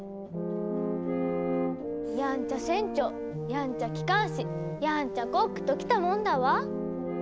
やんちゃ船長やんちゃ機関士やんちゃコックときたもんだわ。